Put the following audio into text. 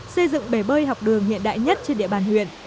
xây dựng bể bơi học đường hiện đại nhất trên địa bàn huyện